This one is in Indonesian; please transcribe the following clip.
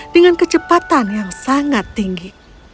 dengan kecepatan yang sangat tinggi